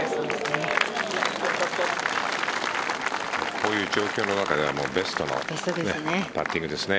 こういう状況の中ではベストのパッティングですね。